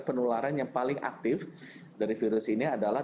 penularan yang paling aktif dari virus ini adalah